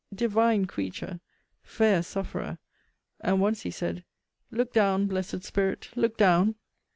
Divine Creature! Fair Sufferer! And once he said, Look down, Blessed Spirit, look down!